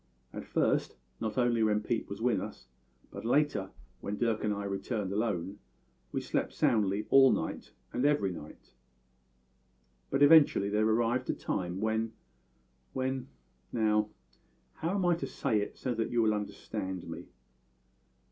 At first, not only when Pete was with us, but later, when Dirk and I returned alone, we slept soundly all night and every night, but eventually there arrived a time when when Now, how am I to say it so that you will understand me?"